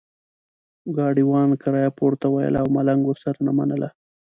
ګاډیوان کرایه پورته ویله او ملنګ ورسره نه منله.